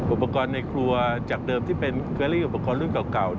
อุปกรณ์ในครัวจากเดิมที่เป็นเกอรี่อุปกรณ์รุ่นเก่า